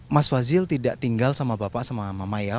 mas fazil tidak tinggal sama bapak sama mama ya